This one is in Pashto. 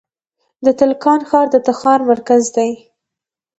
د تالقان ښار د تخار مرکز دی